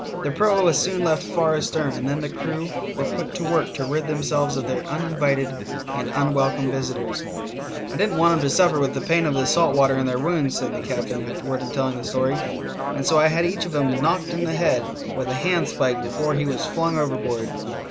The proa was soon left far astern, and then the crew were put to work to rid themselves of their uninvited and unwelcome visi tors. "I did n't want 'em to suffer with the pain of the salt water in their wounds," said the captain afterward in telling the story, "and so I had each of 'em knoeked in the head with a handspike before he was flung overboard.